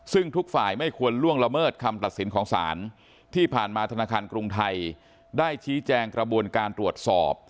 ซึ่งทุกฝ่ายไม่ควรล่วงละเมิดคำตัดสินของศาลที่ผ่านมาธนาคารกรุงไทยได้ชี้แจงกระบวนการตรวจสอบ